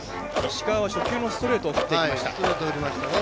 石川は初球のストレートを振ってきました。